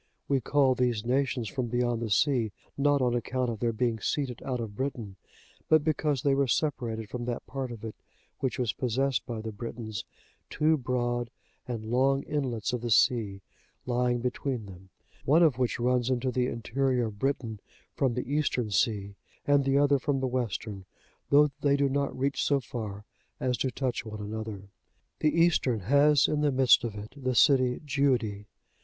We call these nations from beyond the sea, not on account of their being seated out of Britain, but because they were separated from that part of it which was possessed by the Britons, two broad and long inlets of the sea lying between them, one of which runs into the interior of Britain, from the Eastern Sea, and the other from the Western, though they do not reach so far as to touch one another. The eastern has in the midst of it the city Giudi.